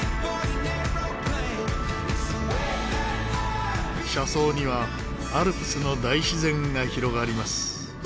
車窓にはアルプスの大自然が広がります。